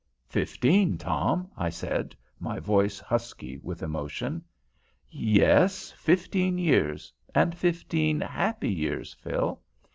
"Fifteen, Tom," I said, my voice husky with emotion. "Yes, fifteen years, and fifteen happy years, Phil.